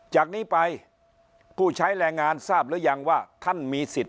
จากนี้ไปผู้ใช้แรงงานทราบหรือยังว่าท่านมีสิทธิ